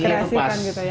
kombinasi itu pas